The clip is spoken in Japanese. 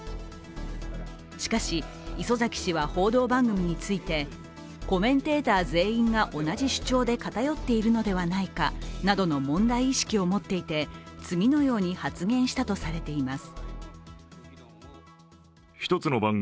しかし、礒崎氏は報道番組についてコメンテーター全員が同じ主張で偏っているのではないかなどの問題意識を持っていて次のように発言したとされています。